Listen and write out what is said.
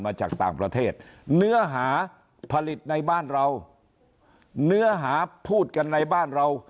มาจากต่างประเทศเนื้อหาผลิตในบ้านเราเนื้อหาพูดกันในบ้านเรา